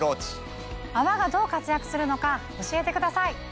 泡がどう活躍するのか教えてください。